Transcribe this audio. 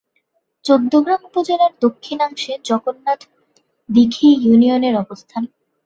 চৌদ্দগ্রাম উপজেলার দক্ষিণাংশে জগন্নাথ দীঘি ইউনিয়নের অবস্থান।